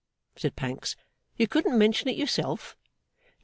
said Pancks. 'You couldn't mention it yourself?